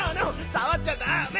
さわっちゃだめ！